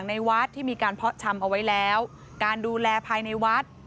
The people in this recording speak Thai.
รงในวัดที่มีการเพราะชำเอาไว้แล้วตอนนี้การดูแลภารกิจในวัด